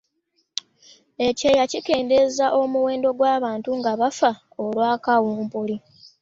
ekyeya kikendeeza omuwendo gw'abantu, nga bafa olwa kawumpuli